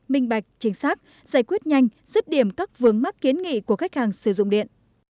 minh bạch chính xác giải quyết nhanh dứt điểm các vướng mắc kiến nghị của khách hàng sử dụng điện